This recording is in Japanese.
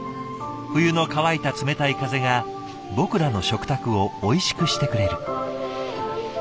冬の乾いた冷たい風が僕らの食卓をおいしくしてくれる。